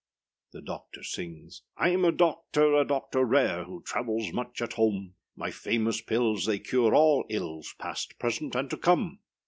The DOCTOR _sings_â Iâm a doctor, a doctor rare, Who travels much at home; My famous pills they cure all ills, Past, present, and to come.